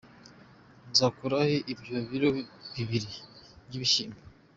Nzakurahe ibyo biro bibiri by’ibishyimbo ?“.